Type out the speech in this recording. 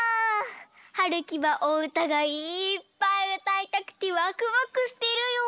はるきはおうたがいっぱいうたいたくてワクワクしてるよ。